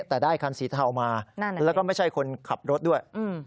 แต่ได้คันสีเทามาแล้วก็ไม่ใช่คนขับรถด้วย